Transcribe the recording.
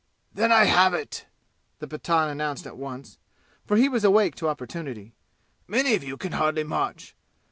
"Then I have it!" the Pathan announced at once, for he was awake to opportunity. "Many of you can hardly march.